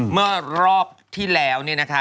เมื่อรอบที่แล้วเนี่ยนะคะ